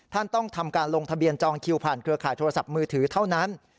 ต้องทำการลงทะเบียนจองคิวผ่านเครือข่ายโทรศัพท์มือถือเท่านั้น